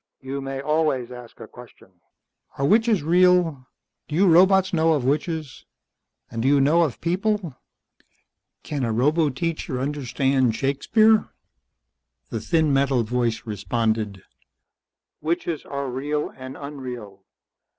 "You may always ask a question." "Are witches real? Do you robots know of witches? And do you know of people? Can a roboteacher understand Shakespeare?" The thin metal voice responded. "Witches are real and unreal.